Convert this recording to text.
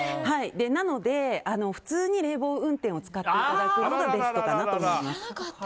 なので、普通に冷房運転を使っていただくのがベストかなと思います。